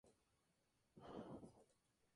La posesión se presume siempre de buena fe.